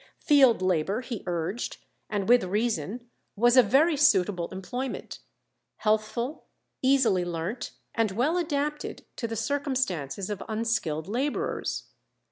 Field labour, he urged, and with reason, was a very suitable employment; healthful, easily learnt, and well adapted to the circumstances of unskilled labourers.